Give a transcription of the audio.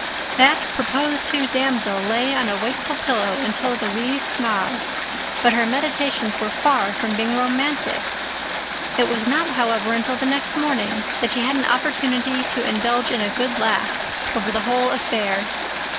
That proposed to damsel lay on a wakeful pillow until the wee sma's, but her meditations were far from being romantic. It was not, however, until the next morning that she had an opportunity to indulge in a good laugh over the whole affair.